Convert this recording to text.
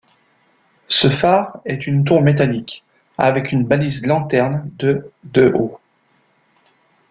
Ce phare est une tour métallique, avec une balise lanterne de de haut.